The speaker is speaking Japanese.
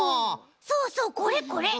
そうそうこれこれ！